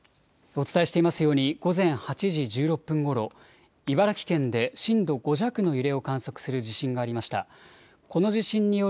お伝えしていますように午前８時１６分ごろ、茨城県で震度５弱の揺れを観測する地震がありました。